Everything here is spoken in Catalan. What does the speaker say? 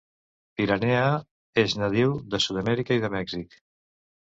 "Piranhea" es nadiu de Sud-Amèrica i de Mèxic.